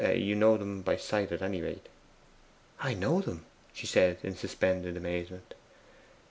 You know them by sight at any rate.' 'I know them!' she said in suspended amazement.